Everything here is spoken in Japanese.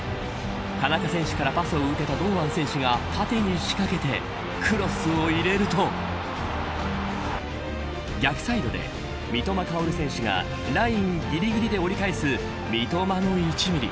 田中選手からパスを受けた堂安選手が縦に仕掛けてクロスを入れると逆サイドで三笘薫選手がラインぎりぎりで折り返す三笘の１ミリ。